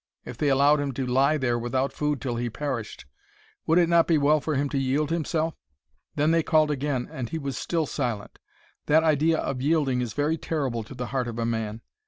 If they allowed him to lie there without food till he perished! Would it not be well for him to yield himself? Then they called again and he was still silent. That idea of yielding is very terrible to the heart of a man.